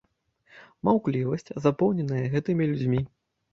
Маўклівасць, напоўненая гэтымі людзьмі!